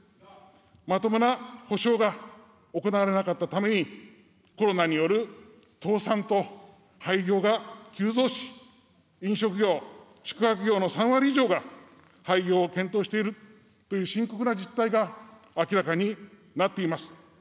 まともな補償が行われなかったために、コロナによる倒産と廃業が急増し、飲食業、宿泊業の３割以上が廃業を検討しているという深刻な実態が明らかになっています。